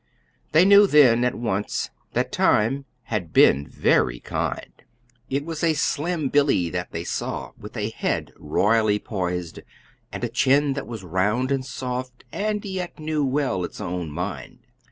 They knew then, at once, that time had been very kind. It was a slim Billy that they saw, with a head royally poised, and a chin that was round and soft, and yet knew well its own mind.